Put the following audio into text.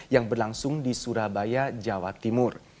yang berlangsung di surabaya jawa timur